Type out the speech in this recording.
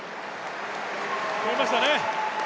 越えましたね。